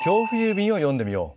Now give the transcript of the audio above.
便を読んでみよう。